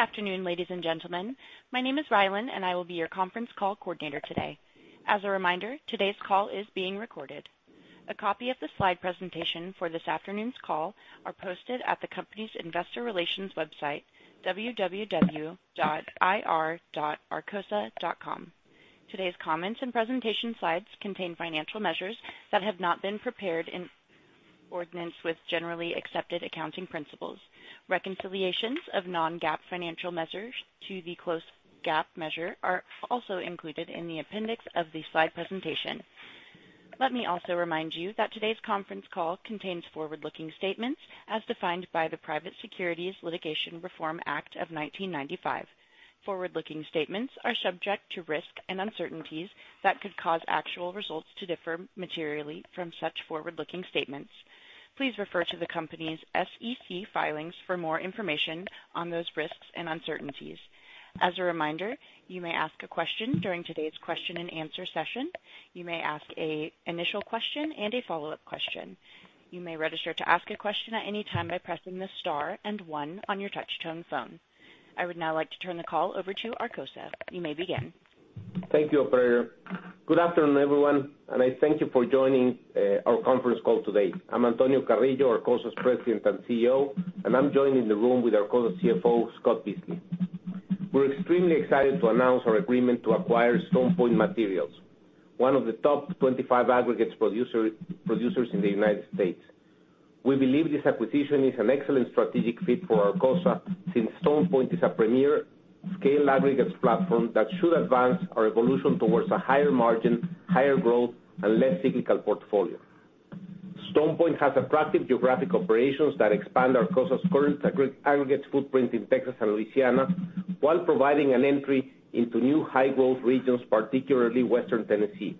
Good afternoon, ladies and gentlemen. My name is Ryland, and I will be your conference call coordinator today. As a reminder, today's call is being recorded. A copy of the slide presentation for this afternoon's call are posted at the company's investor relations website, www.ir.arcosa.com. Today's comments and presentation slides contain financial measures that have not been prepared in accordance with Generally Accepted Accounting Principles. Reconciliations of non-GAAP financial measures to the closest GAAP measure are also included in the appendix of the slide presentation. Let me also remind you that today's conference call contains forward-looking statements as defined by the Private Securities Litigation Reform Act of 1995. Forward-looking statements are subject to risk and uncertainties that could cause actual results to differ materially from such forward-looking statements. Please refer to the company's SEC filings for more information on those risks and uncertainties. As a reminder, you may ask a question during today's question-and-answer session. You may ask an initial question and a follow-up question. You may register to ask a question at any time by pressing the star and one on your touch-tone phone. I would now like to turn the call over to Arcosa. You may begin. Thank you, operator. Good afternoon, everyone. I thank you for joining our conference call today. I'm Antonio Carrillo, Arcosa's President and CEO. I'm joined in the room with Arcosa CFO, Scott Beasley. We're extremely excited to announce our agreement to acquire StonePoint Materials, one of the top 25 aggregates producers in the U.S. We believe this acquisition is an excellent strategic fit for Arcosa, since StonePoint is a premier scale aggregates platform that should advance our evolution towards a higher margin, higher growth, and less cyclical portfolio. StonePoint has attractive geographic operations that expand Arcosa's current aggregates footprint in Texas and Louisiana while providing an entry into new high-growth regions, particularly Western Tennessee.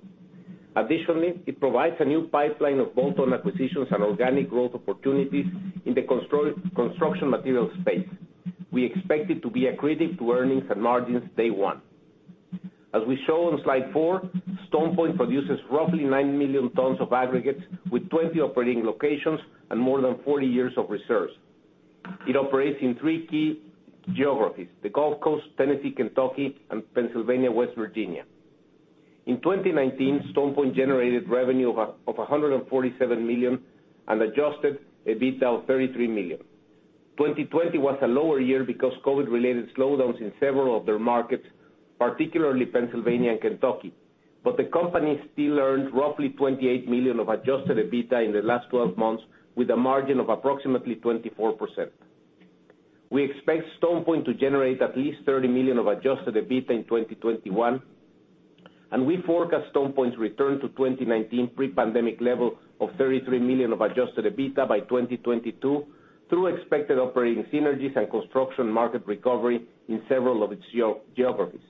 Additionally, it provides a new pipeline of bolt-on acquisitions and organic growth opportunities in the construction materials space. We expect it to be accretive to earnings and margins day one. As we show on slide four, StonePoint produces roughly 9 million tons of aggregates with 20 operating locations and more than 40 years of reserves. It operates in three key geographies, the Gulf Coast, Tennessee, Kentucky, and Pennsylvania, West Virginia. In 2019, StonePoint generated revenue of $147 million and adjusted EBITDA of $33 million. 2020 was a lower year because COVID-related slowdowns in several of their markets, particularly Pennsylvania and Kentucky. The company still earned roughly $28 million of adjusted EBITDA in the last 12 months, with a margin of approximately 24%. We expect StonePoint to generate at least $30 million of adjusted EBITDA in 2021. We forecast StonePoint's return to 2019 pre-pandemic level of $33 million of adjusted EBITDA by 2022 through expected operating synergies and construction market recovery in several of its geographies.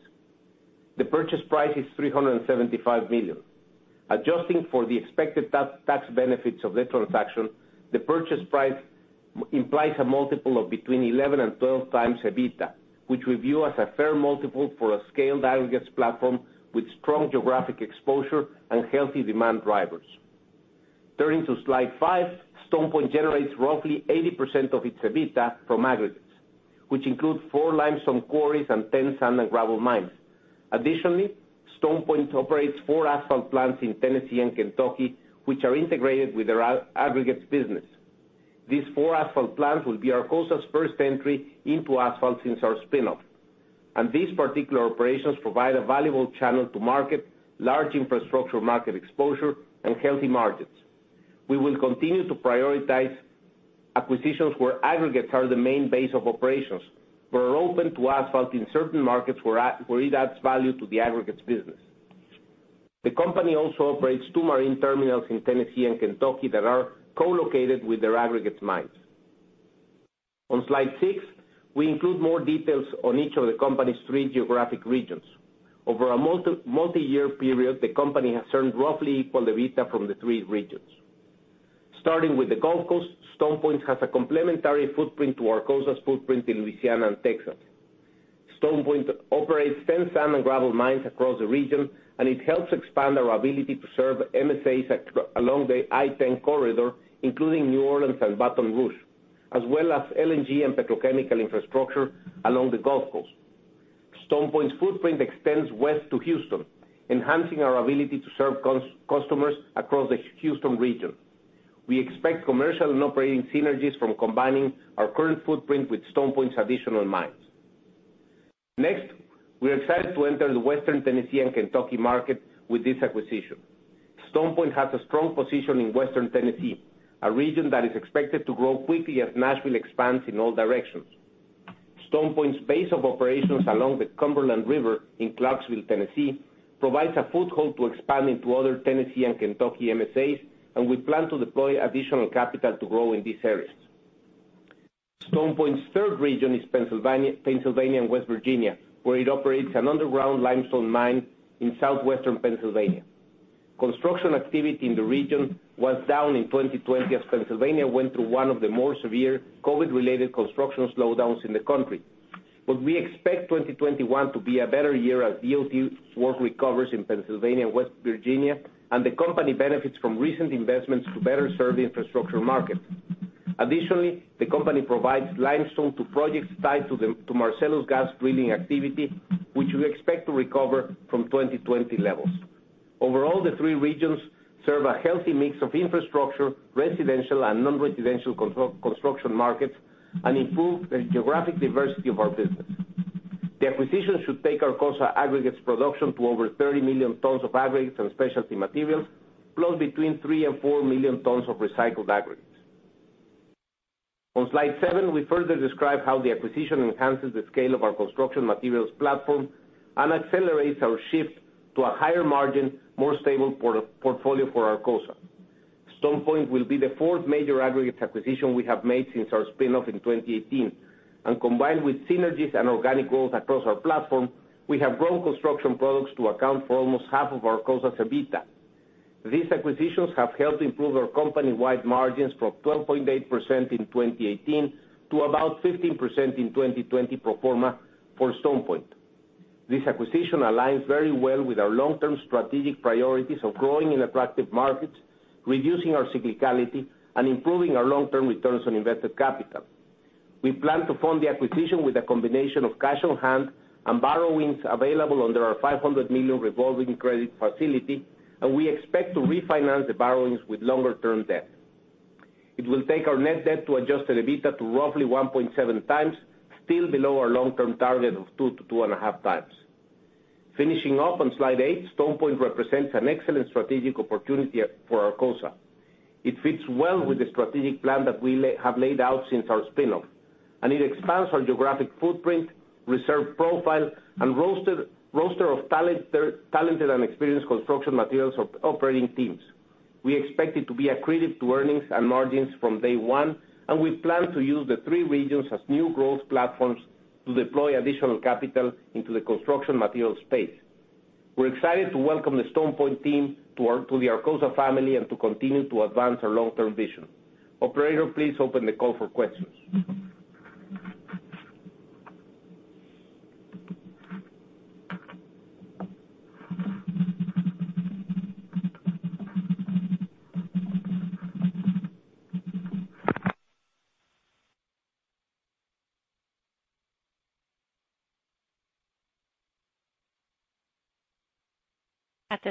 The purchase price is $375 million. Adjusting for the expected tax benefits of the transaction, the purchase price implies a multiple of between 11x and 12x EBITDA, which we view as a fair multiple for a scaled aggregates platform with strong geographic exposure and healthy demand drivers. Turning to slide five, StonePoint generates roughly 80% of its EBITDA from aggregates, which include four limestone quarries and 10 sand and gravel mines. Additionally, StonePoint operates four asphalt plants in Tennessee and Kentucky, which are integrated with their aggregates business. These four asphalt plants will be Arcosa's first entry into asphalt since our spin-off. These particular operations provide a valuable channel to market large infrastructure, market exposure, and healthy margins. We will continue to prioritize acquisitions where aggregates are the main base of operations, but are open to asphalt in certain markets where it adds value to the aggregates business. The company also operates two marine terminals in Tennessee and Kentucky that are co-located with their aggregates mines. On slide six, we include more details on each of the company's three geographic regions. Over a multi-year period, the company has earned roughly equal EBITDA from the three regions. Starting with the Gulf Coast, StonePoint has a complementary footprint to Arcosa's footprint in Louisiana and Texas. StonePoint operates 10 sand and gravel mines across the region, and it helps expand our ability to serve MSAs along the I-10 corridor, including New Orleans and Baton Rouge, as well as LNG and petrochemical infrastructure along the Gulf Coast. StonePoint's footprint extends west to Houston, enhancing our ability to serve customers across the Houston region. We expect commercial and operating synergies from combining our current footprint with StonePoint's additional mines. Next, we are excited to enter the Western Tennessee and Kentucky market with this acquisition. StonePoint has a strong position in Western Tennessee, a region that is expected to grow quickly as Nashville expands in all directions. StonePoint's base of operations along the Cumberland River in Clarksville, Tennessee, provides a foothold to expand into other Tennessee and Kentucky MSAs, and we plan to deploy additional capital to grow in these areas. StonePoint's third region is Pennsylvania and West Virginia, where it operates an underground limestone mine in southwestern Pennsylvania. Construction activity in the region was down in 2020 as Pennsylvania went through one of the more severe COVID-related construction slowdowns in the country. We expect 2021 to be a better year as DOT work recovers in Pennsylvania and West Virginia, and the company benefits from recent investments to better serve the infrastructure market. Additionally, the company provides limestone to projects tied to Marcellus gas drilling activity, which we expect to recover from 2020 levels. Overall, the three regions serve a healthy mix of infrastructure, residential and non-residential construction markets and improve the geographic diversity of our business. The acquisition should take Arcosa Aggregates production to over 30 million tons of aggregates and specialty materials, plus between three and four million tons of recycled aggregates. On slide seven, we further describe how the acquisition enhances the scale of our construction materials platform and accelerates our shift to a higher margin, more stable portfolio for Arcosa. StonePoint will be the fourth major aggregates acquisition we have made since our spinoff in 2018. Combined with synergies and organic growth across our platform, we have grown construction products to account for almost half of Arcosa's EBITDA. These acquisitions have helped improve our company-wide margins from 12.8% in 2018 to about 15% in 2020 pro forma for StonePoint. This acquisition aligns very well with our long-term strategic priorities of growing in attractive markets, reducing our cyclicality, and improving our long-term returns on invested capital. We plan to fund the acquisition with a combination of cash on hand and borrowings available under our $500 million revolving credit facility, and we expect to refinance the borrowings with longer-term debt. It will take our net debt to adjusted EBITDA to roughly 1.7x, still below our long-term target of 2x-2.5x. Finishing up on slide eight, StonePoint represents an excellent strategic opportunity for Arcosa. It fits well with the strategic plan that we have laid out since our spinoff, and it expands our geographic footprint, reserve profile, and roster of talented and experienced construction materials operating teams. We expect it to be accretive to earnings and margins from day one, and we plan to use the three regions as new growth platforms to deploy additional capital into the construction materials space. We're excited to welcome the StonePoint team to the Arcosa family and to continue to advance our long-term vision. Operator, please open the call for questions.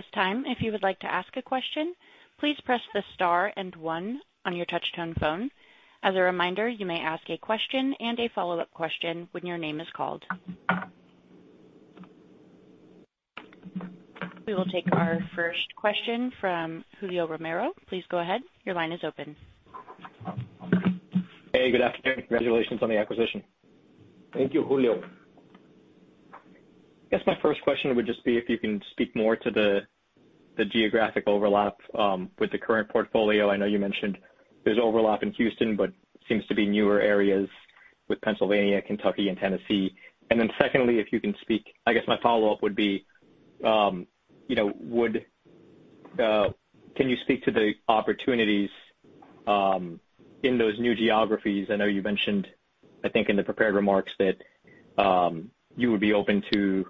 We will take our first question from Julio Romero. Please go ahead. Your line is open. Hey, good afternoon. Congratulations on the acquisition. Thank you, Julio. I guess my first question would just be if you can speak more to the geographic overlap with the current portfolio. I know you mentioned there's overlap in Houston, but seems to be newer areas with Pennsylvania, Kentucky, and Tennessee. Secondly, I guess my follow-up would be, can you speak to the opportunities in those new geographies? I know you mentioned, I think, in the prepared remarks that you would be open to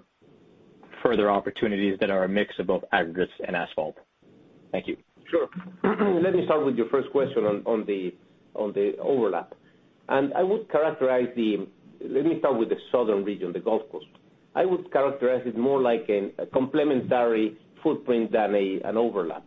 further opportunities that are a mix of both aggregates and asphalt. Thank you. Sure. Let me start with your first question on the overlap. Let me start with the southern region, the Gulf Coast. I would characterize it more like a complementary footprint than an overlap.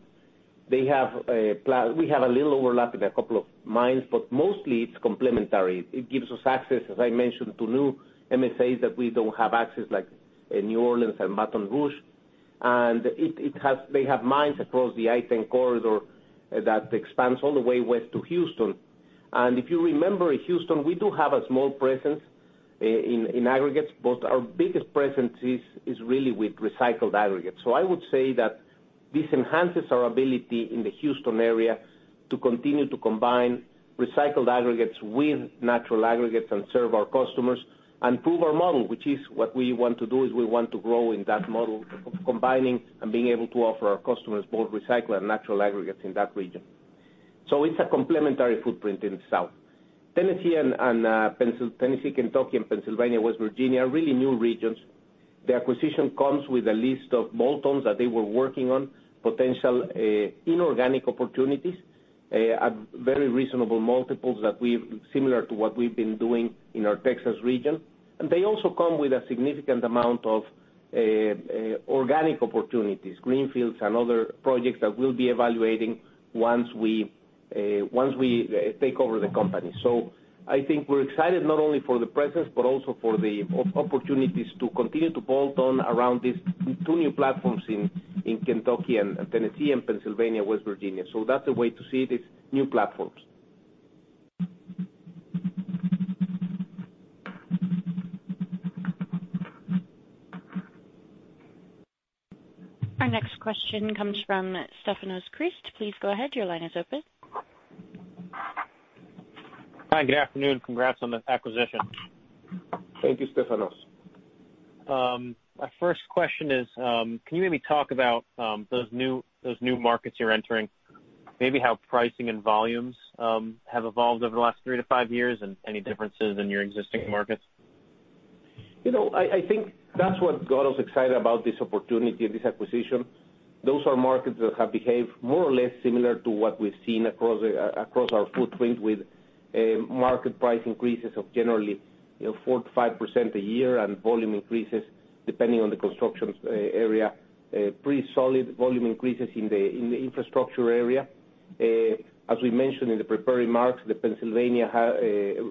We have a little overlap in a couple of mines, but mostly it's complementary. It gives us access, as I mentioned, to new MSAs that we don't have access, like in New Orleans and Baton Rouge. They have mines across the I-10 corridor that expands all the way west to Houston. If you remember, in Houston, we do have a small presence in aggregates, but our biggest presence is really with recycled aggregates. I would say that this enhances our ability in the Houston area to continue to combine recycled aggregates with natural aggregates and serve our customers and prove our model, which is what we want to do, is we want to grow in that model of combining and being able to offer our customers both recycled and natural aggregates in that region. Tennessee, Kentucky, and Pennsylvania, West Virginia are really new regions. The acquisition comes with a list of bolt-ons that they were working on, potential inorganic opportunities at very reasonable multiples, similar to what we've been doing in our Texas region. They also come with a significant amount of organic opportunities, greenfields and other projects that we'll be evaluating once we take over the company. I think we're excited not only for the presence, but also for the opportunities to continue to bolt on around these two new platforms in Kentucky and Tennessee and Pennsylvania, West Virginia. That's the way to see these new platforms. Our next question comes from Stefanos Crist. Please go ahead. Your line is open. Hi, good afternoon. Congrats on the acquisition. Thank you, Stefanos. My first question is, can you maybe talk about those new markets you're entering, maybe how pricing and volumes have evolved over the last three to five years, and any differences in your existing markets? I think that's what got us excited about this opportunity and this acquisition. Those are markets that have behaved more or less similar to what we've seen across our footprint, with market price increases of generally 4%-5% a year, and volume increases depending on the construction area. Pretty solid volume increases in the infrastructure area. As we mentioned in the prepared remarks, the Pennsylvania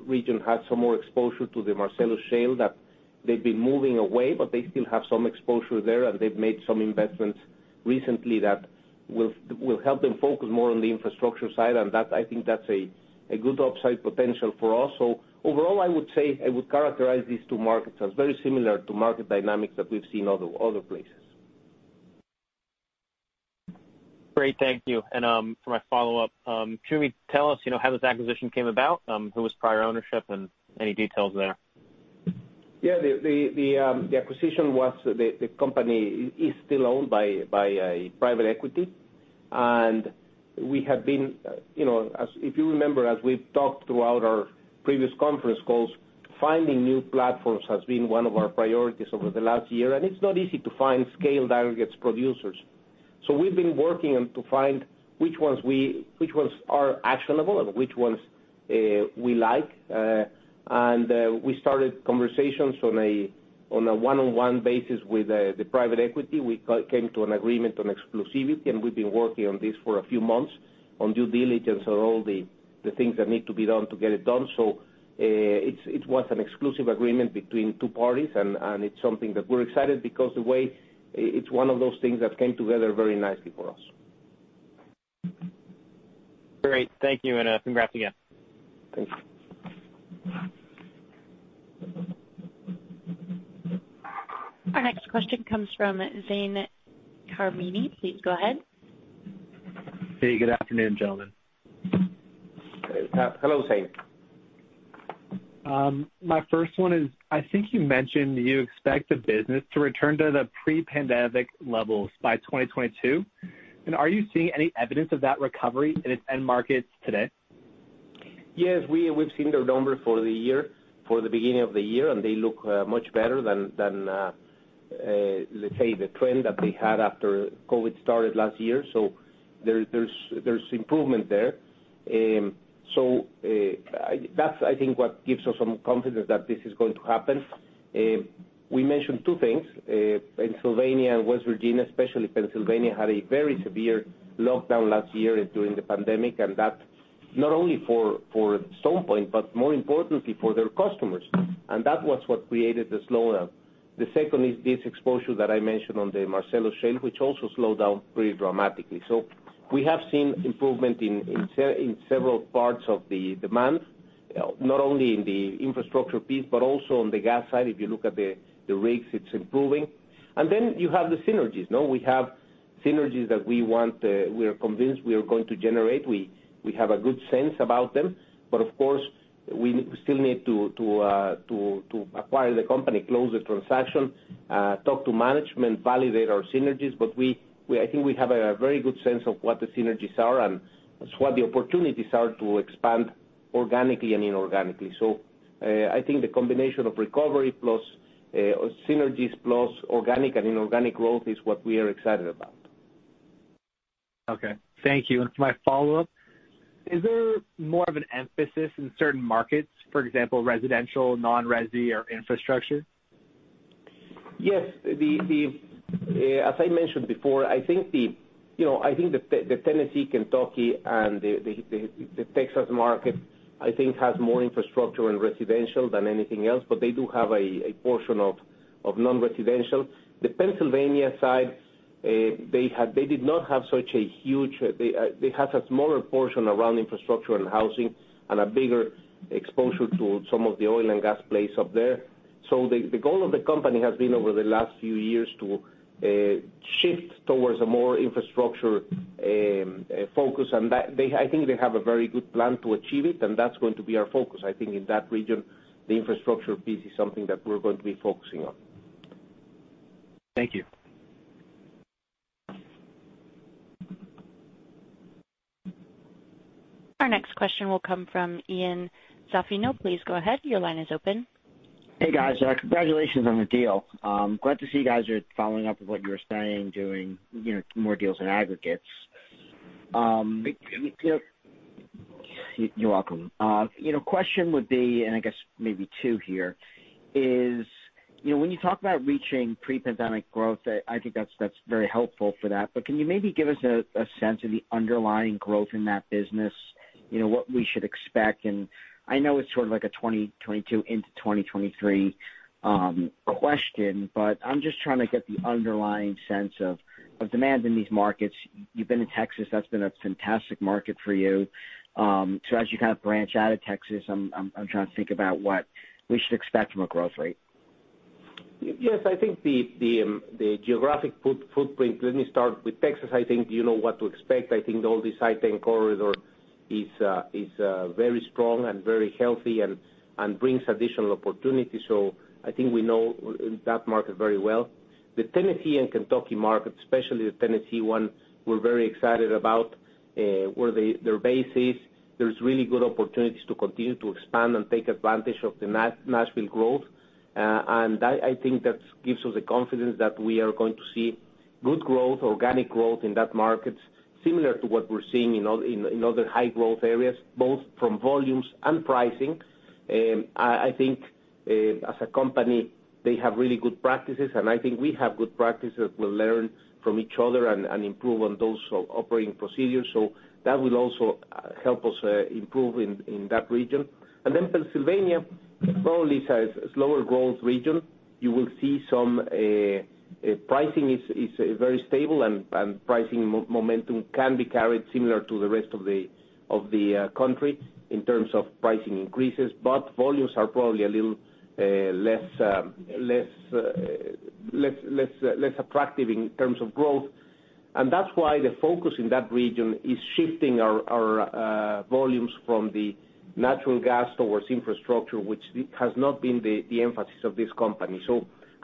region had some more exposure to the Marcellus Shale that they've been moving away, but they still have some exposure there, and they've made some investments recently that will help them focus more on the infrastructure side. I think that's a good upside potential for us. Overall, I would say I would characterize these two markets as very similar to market dynamics that we've seen other places. Great. Thank you. For my follow-up, can you tell us how this acquisition came about, who was prior ownership, and any details there? Yeah. If you remember, as we've talked throughout our previous conference calls, finding new platforms has been one of our priorities over the last year, it's not easy to find scale aggregates producers. We've been working to find which ones are actionable and which ones we like. We started conversations on a one-on-one basis with the private equity. We came to an agreement on exclusivity, and we've been working on this for a few months, on due diligence on all the things that need to be done to get it done. It was an exclusive agreement between two parties, and it's something that we're excited because it's one of those things that came together very nicely for us. Great. Thank you. Congrats again. Thanks. Our next question comes from Zain Carmeni. Please go ahead. Hey. Good afternoon, gentlemen. Hello, Zain. My first one is, I think you mentioned you expect the business to return to the pre-pandemic levels by 2022. Are you seeing any evidence of that recovery in its end markets today? Yes. We've seen their numbers for the beginning of the year, they look much better than, let's say, the trend that they had after COVID started last year. There's improvement there. That's I think what gives us some confidence that this is going to happen. We mentioned two things. Pennsylvania and West Virginia, especially Pennsylvania, had a very severe lockdown last year during the pandemic, that not only for StonePoint, but more importantly for their customers. That was what created the slowdown. The second is this exposure that I mentioned on the Marcellus Shale, which also slowed down pretty dramatically. We have seen improvement in several parts of the demand, not only in the infrastructure piece, but also on the gas side. If you look at the rigs, it's improving. Then you have the synergies. We have synergies that we're convinced we are going to generate. Of course, we still need to acquire the company, close the transaction, talk to management, validate our synergies. I think we have a very good sense of what the synergies are and what the opportunities are to expand organically and inorganically. I think the combination of recovery plus synergies plus organic and inorganic growth is what we are excited about. Okay. Thank you. For my follow-up, is there more of an emphasis in certain markets, for example, residential, non-resi, or infrastructure? Yes. As I mentioned before, I think the Tennessee, Kentucky, and the Texas market, I think has more infrastructure and residential than anything else, but they do have a portion of non-residential. The Pennsylvania side, they had a smaller portion around infrastructure and housing and a bigger exposure to some of the oil and gas plays up there. The goal of the company has been over the last few years to shift towards a more infrastructure focus, and I think they have a very good plan to achieve it, and that's going to be our focus. I think in that region, the infrastructure piece is something that we're going to be focusing on. Thank you. Our next question will come from Ian Zaffino. Please go ahead. Your line is open. Hey, guys. Congratulations on the deal. Glad to see you guys are following up with what you were saying, doing more deals in aggregates. Thank you. You're welcome. Question would be, and I guess maybe two here, is when you talk about reaching pre-pandemic growth, I think that's very helpful for that, but can you maybe give us a sense of the underlying growth in that business? What we should expect, and I know it's sort of like a 2022 into 2023 question, but I'm just trying to get the underlying sense of demand in these markets? You've been in Texas. That's been a fantastic market for you. As you kind of branch out of Texas, I'm trying to think about what we should expect from a growth rate. Yes. I think the geographic footprint, let me start with Texas. I think you know what to expect. I think all this I-10 corridor is very strong and very healthy and brings additional opportunities. I think we know that market very well. The Tennessee and Kentucky market, especially the Tennessee one, we're very excited about where their base is. There's really good opportunities to continue to expand and take advantage of the Nashville growth. I think that gives us the confidence that we are going to see good growth, organic growth in that market. Similar to what we're seeing in other high growth areas, both from volumes and pricing. I think, as a company, they have really good practices, and I think we have good practices. We'll learn from each other and improve on those operating procedures. That will also help us improve in that region. Pennsylvania probably is a slower growth region. You will see some pricing is very stable, and pricing momentum can be carried similar to the rest of the country in terms of pricing increases. Volumes are probably a little less attractive in terms of growth. That's why the focus in that region is shifting our volumes from the natural gas towards infrastructure, which has not been the emphasis of this company.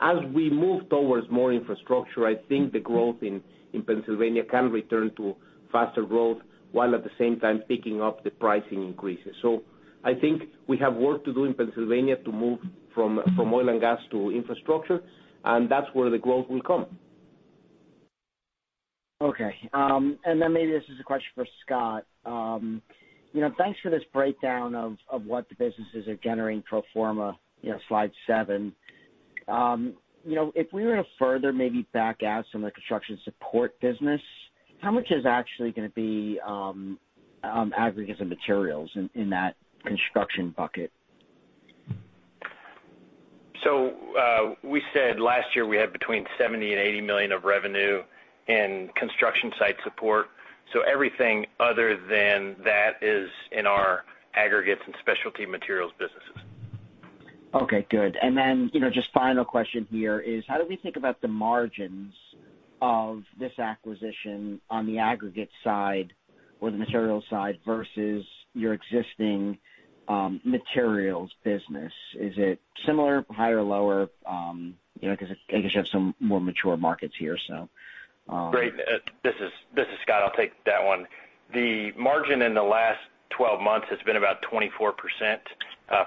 As we move towards more infrastructure, I think the growth in Pennsylvania can return to faster growth, while at the same time picking up the pricing increases. I think we have work to do in Pennsylvania to move from oil and gas to infrastructure, and that's where the growth will come. Okay. Maybe this is a question for Scott. Thanks for this breakdown of what the businesses are generating pro forma, slide seven. If we were to further maybe back out some of the construction support business, how much is actually going to be aggregates and materials in that construction bucket? We said last year we had between $70 million and $80 million of revenue in construction site support. Everything other than that is in our aggregates and specialty materials businesses. Okay, good. Just final question here is how do we think about the margins of this acquisition on the aggregate side or the materials side versus your existing materials business? Is it similar, higher, lower? Because I guess you have some more mature markets here. Great. This is Scott. I'll take that one. The margin in the last 12 months has been about 24%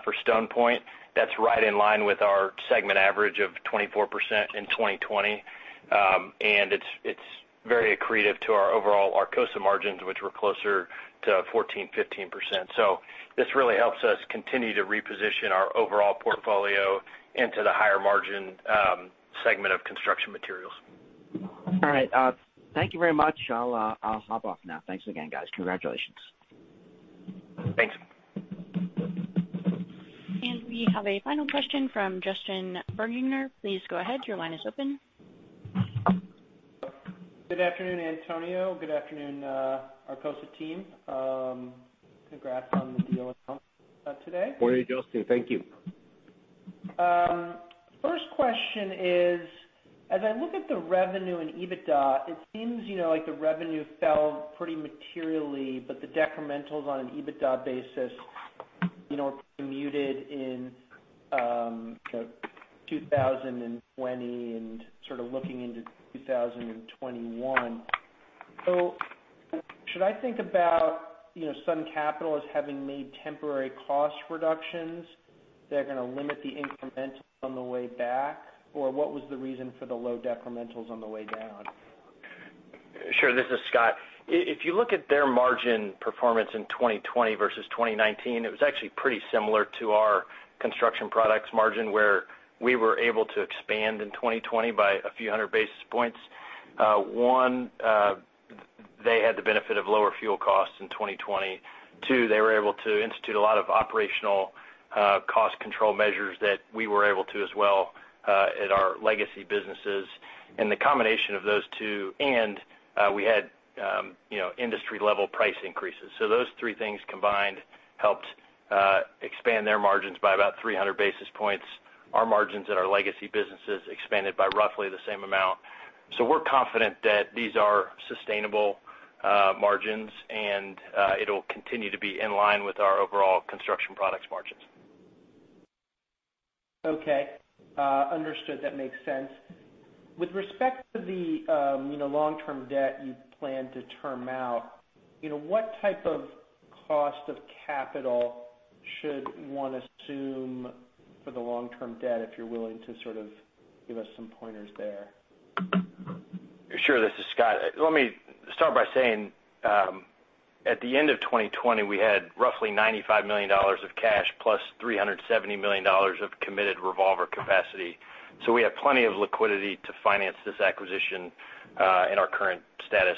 for StonePoint. That's right in line with our segment average of 24% in 2020. It's very accretive to our overall Arcosa margins, which were closer to 14%, 15%. This really helps us continue to reposition our overall portfolio into the higher margin segment of construction materials. All right. Thank you very much. I'll hop off now. Thanks again, guys. Congratulations. Thanks. We have a final question from Justin Bergner. Please go ahead. Your line is open. Good afternoon, Antonio. Good afternoon, Arcosa team. Congrats on the deal announced today. Morning, Justin. Thank you. First question is, as I look at the revenue and EBITDA, it seems like the revenue fell pretty materially, but the decrementals on an EBITDA basis are muted in 2020 and sort of looking into 2021. Should I think about Arcosa as having made temporary cost reductions that are going to limit the incrementals on the way back? Or what was the reason for the low decrementals on the way down? Sure. This is Scott. If you look at their margin performance in 2020 versus 2019, it was actually pretty similar to our construction products margin, where we were able to expand in 2020 by a few hundred basis points. One, they had the benefit of lower fuel costs in 2020. Two, they were able to institute a lot of operational cost control measures that we were able to as well at our legacy businesses. The combination of those two, and we had industry level price increases. Those three things combined helped expand their margins by about 300 basis points. Our margins at our legacy businesses expanded by roughly the same amount. We're confident that these are sustainable margins, and it'll continue to be in line with our overall construction products margins. Okay. Understood. That makes sense. With respect to the long-term debt you plan to term out, what type of cost of capital should one assume for the long-term debt, if you're willing to sort of give us some pointers there? Sure. This is Scott. Let me start by saying at the end of 2020, we had roughly $95 million of cash plus $370 million of committed revolver capacity. We have plenty of liquidity to finance this acquisition in our current status.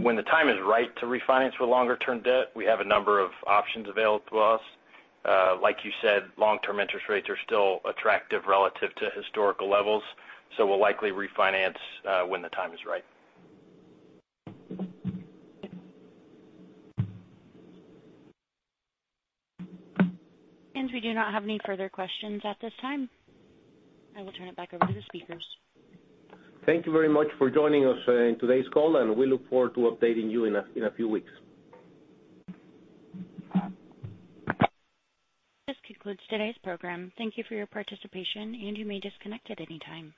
When the time is right to refinance with longer term debt, we have a number of options available to us. Like you said, long-term interest rates are still attractive relative to historical levels. We'll likely refinance when the time is right. We do not have any further questions at this time. I will turn it back over to the speakers. Thank you very much for joining us in today's call. We look forward to updating you in a few weeks. This concludes today's program. Thank you for your participation, and you may disconnect at any time.